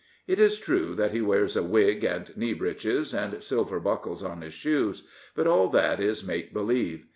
It is true that he wears a wig and knee breeches, and silver buckles on his shoes; but all that is make believe.